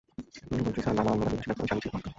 বদ্রীসা, লালা আলমোড়া-নিবাসী ব্যবসায়ী, স্বামীজীর ভক্ত।